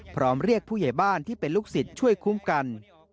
พร้อมเรียกผู้ใหญ่บ้านที่เป็นลูกศิษย์ช่วยคุ้มกัน